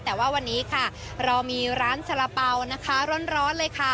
แต่ว่าวันนี้ค่ะเรามีร้านชะละเป๋านะคะร้อนเลยค่ะ